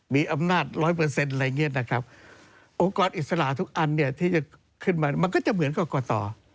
มีอำนาจร้อยเปอร์เซ็นต์อะไรอย่างนี้นะครับองค์กรอิสระทุกอันเนี่ยที่จะขึ้นมามันก็จะเหมือนกรกต